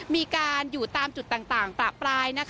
มีการอยู่ตามจุดต่างประปราย